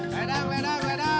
ledang ledang ledang